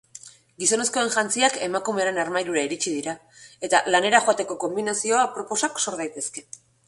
Gizonezkoen jantziak emakumearen armairura iritsi dira eta lanera joateko konbinazio aproposak sor daitezke.